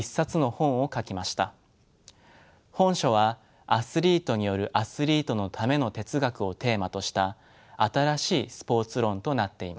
本書は「アスリートによるアスリートのための哲学」をテーマとした新しいスポーツ論となっています。